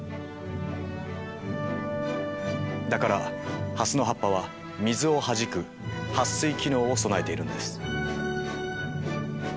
だからハスの葉っぱは水をはじく撥水機能を備えているんです。